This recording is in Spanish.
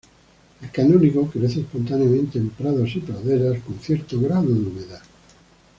El canónigo crece espontáneamente en prados y praderas con cierto grado de humedad.